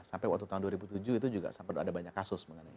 sampai waktu tahun dua ribu tujuh itu juga sampai ada banyak kasus mengenai